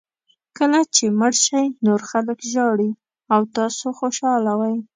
کله چې مړ شئ نور خلک ژاړي او تاسو خوشاله وئ.